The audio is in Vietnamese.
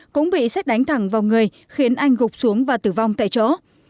cũng bị xét đánh thẳng vào người khiến anh gục xuống và tử vong tại chỗ